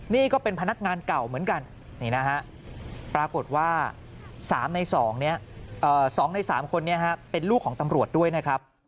นี่ก็เป็นพนักงานเก่าเหมือนกันนี่นะฮะปรากฏว่า๓ใน๒ใน๓คนนี้เป็นลูกของตำรวจด้วยนะครับ